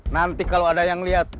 nanti kalau ada yang lihat